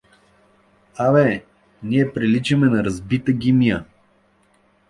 — А бе, ние приличаме на разбита гемия!